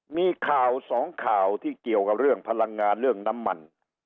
มีข่าวสองข่าวที่เกี่ยวกับเรื่องพลังงานเรื่องน้ำมัน